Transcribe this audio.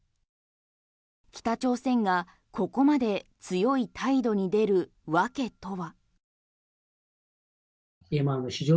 北朝鮮が、ここまで強い態度に出るわけとは。